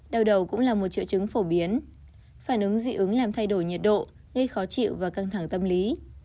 đau đầu cũng là một triệu chứng phổ biến phản ứng dị ứng làm thay đổi nhiệt độ gây khó chịu và căng thẳng tâm lý